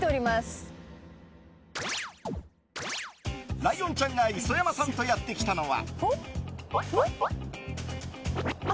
ライオンちゃんが磯山さんとやってきたのは。